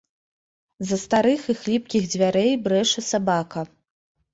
З-за старых і хліпкіх дзвярэй брэша сабака.